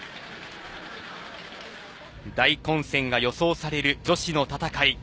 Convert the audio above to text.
大混戦が予想される女子の戦い。